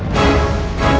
aku sudah menang